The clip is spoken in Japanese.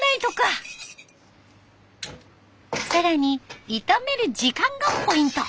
更に炒める時間がポイント。